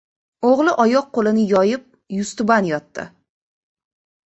O‘g‘li oyoq-qo‘lini yoyib yuztuban yotdi.